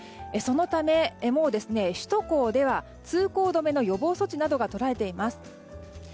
そのためもう首都高では通行止めの予防措置などがとられています。